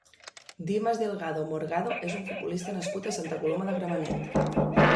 Dimas Delgado Morgado és un futbolista nascut a Santa Coloma de Gramenet.